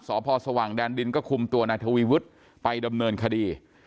สพสว่างแดนดินก็คุมตัวนายทวีวุฒิไปดำเนินคดี